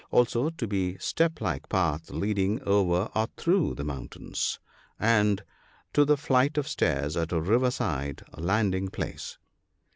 Also to the step like path leading over or through the mountains, and to the flight of stairs at a river side landing place.